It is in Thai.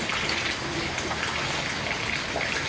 พร้อมทุกสิทธิ์